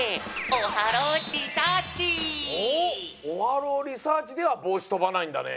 オハローリサーチではぼうしとばないんだね。